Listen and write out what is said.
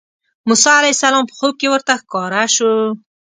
موسی علیه السلام په خوب کې ورته ښکاره شو.